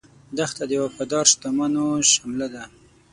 دښته د وفادار شتمنو شمله ده.